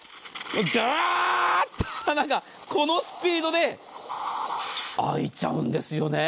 ダーッとこのスピードで開いちゃうんですよね。